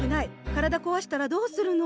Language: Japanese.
体こわしたらどうするの？